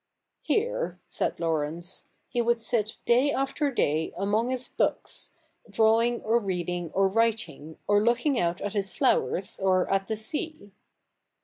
'Here.' said Laurence, 'he would sit day after day amongst his books, drawing, or reading, or writing, or io8 THE NEW REPUP3LIC [v.k. ii looking out at his flowers or at the sea.